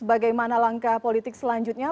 bagaimana langkah politik selanjutnya